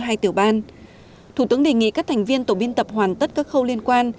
hai tiểu ban thủ tướng đề nghị các thành viên tổ biên tập hoàn tất các khâu liên quan